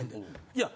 いや。